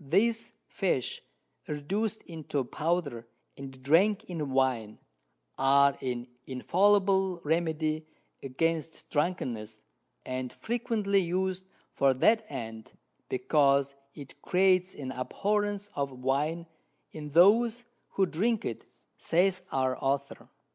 These Fish reduc'd into Powder, and drank in Wine, are an infallible Remedy against Drunkenness, and frequently us'd for that end, because it creates an Abhorrence of Wine in those who drink it, says our Author.